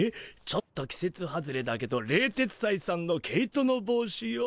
「ちょっときせつ外れだけど冷徹斎さんの毛糸の帽子よ」？